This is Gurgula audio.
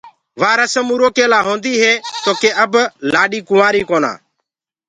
وآ رسم اُرو ڪي لاهونديٚ هي تو ڪي اب لآڏي ڪنوآرئ ڪونآ۔